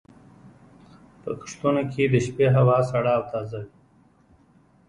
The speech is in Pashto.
په کښتونو کې د شپې هوا سړه او تازه وي.